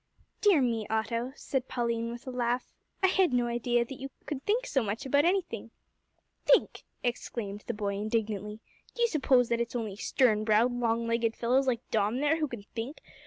"Dear me, Otto," said Pauline, with a laugh, "I had no idea that you could think so much about anything." "Think!" exclaimed the boy, indignantly; "d'you suppose that it's only stern browed, long legged fellows like Dom there who can think?